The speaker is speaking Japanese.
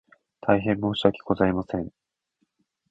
大変申し訳ございません